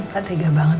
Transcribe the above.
gak tega banget